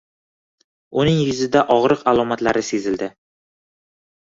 Uning yuzida ogʻriq alomatini sezdi.